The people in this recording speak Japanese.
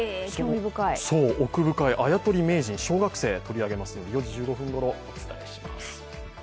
奥深いあやとり名人、小学生を取り上げますので４時１５分ごろお伝えします。